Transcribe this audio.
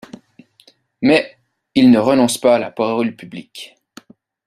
Mais il ne renonce pas à la parole publique.